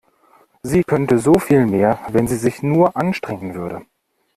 Sie könnte so viel mehr, wenn sie sich nur anstrengen würde.